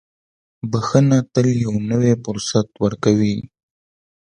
• بښنه تل یو نوی فرصت ورکوي.